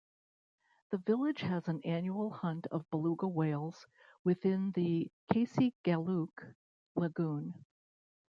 The village has an annual hunt of Beluga Whales within the Kasegaluk Lagoon.